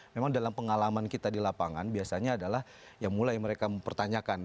memang dalam pengalaman kita di lapangan biasanya adalah ya mulai mereka mempertanyakan